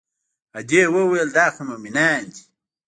ادې وويل دا خو مومنان دي.